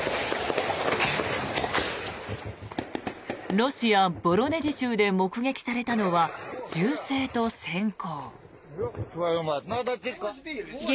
ロシア・ボロネジ州で目撃されたのは銃声と閃光。